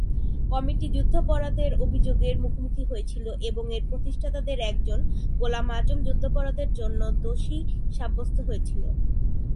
Committee যুদ্ধাপরাধের অভিযোগের মুখোমুখি হয়েছিল, এবং এর প্রতিষ্ঠাতাদের একজন, গোলাম আযম, যুদ্ধাপরাধের জন্য দোষী সাব্যস্ত হয়েছিল।